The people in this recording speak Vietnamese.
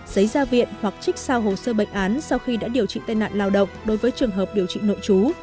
giấy gia viện hoặc trích sao hồ sơ bệnh án sau khi đã điều trị tai nạn lao động đối với trường hợp điều trị nội chú